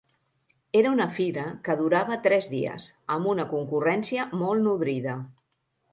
Era una fira que durava tres dies, amb una concurrència molt nodrida.